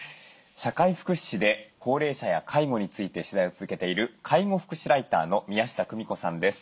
社会福祉士で高齢者や介護について取材を続けている介護福祉ライターの宮下公美子さんです。